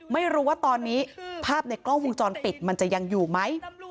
ไม่รู้ว่าตอนนี้ภาพในกล้องวงจรปิดมันจะยังอยู่ไหม